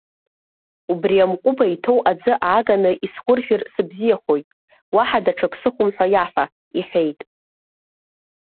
Убри амҟәыба иҭоу аӡы ааганы исуржәыр сыбзиахоит, уаҳа даҽак сыхәом ҳәа иаҳәа, — иҳәеит.